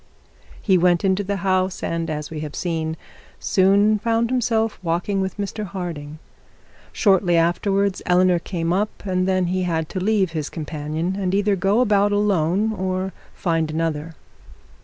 He went into the house, and, as we have seen, soon found himself walking with Mr Harding. Shortly afterwards Eleanor came up; and then he had to leave his companion, and either go about alone or find another.